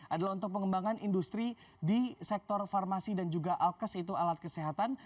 adalah untuk pengembangan industri di sektor farmasi dan juga alkes itu alat kesehatan